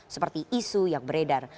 seperti isu yang beredar